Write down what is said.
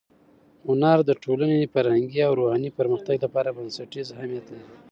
هنر د ټولنې فرهنګي او روحاني پرمختګ لپاره بنسټیز اهمیت لري.